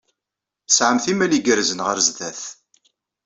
Tesɛamt imal igerrzen ɣer sdat.